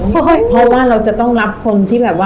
เพราะว่าเราจะต้องรับคนที่แบบว่า